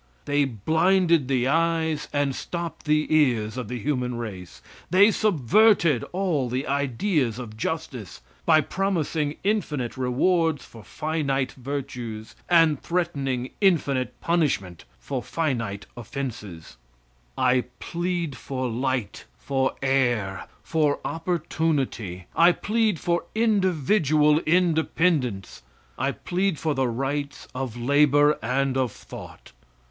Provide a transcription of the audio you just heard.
They blinded the eyes and stopped the ears of the human race. They subverted all the ideas of justice by promising infinite rewards for finite virtues, and threatening infinite punishment for finite offenses. I plead for light, for air, for opportunity. I plead for individual independence. I plead for the rights of labor and of thought.